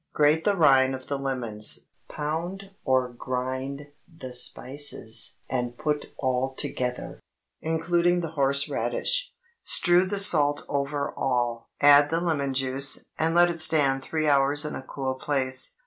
Grate the rind of the lemons; pound or grind the spices, and put all together, including the horse radish. Strew the salt over all, add the lemon juice, and let it stand three hours in a cool place.